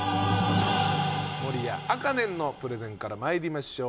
守屋あかねんのプレゼンからまいりましょう。